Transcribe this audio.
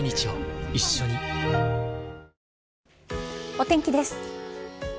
お天気です。